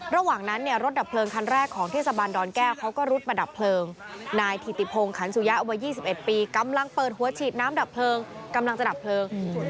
ระหว่างนั้นเนี่ยรถดับเพลิงคันแรกของเทศบาลดอนแก้วเขาก็รุดมาดับเพลิงนายถิติพงศ์ขันสุยะวัย๒๑ปีกำลังเปิดหัวฉีดน้ำดับเพลิงกำลังจะดับเพลิง